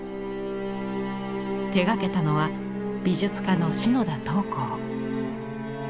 手がけたのは美術家の篠田桃紅。